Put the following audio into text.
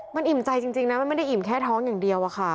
มันอิ่มใจจริงนะมันไม่ได้อิ่มแค่ท้องอย่างเดียวอะค่ะ